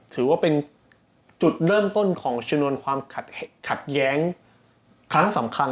ถือว่าเป็นจุดเริ่มต้นของชนวนความขัดแย้งครั้งสำคัญ